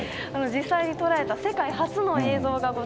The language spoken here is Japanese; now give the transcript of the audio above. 実際に捉えた世界初の映像がございます。